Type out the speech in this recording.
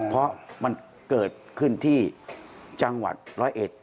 เพราะมันเกิดขึ้นที่จังหวัดร้อยเอ็ด